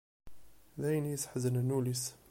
D ayen i yesḥeznen ul-is.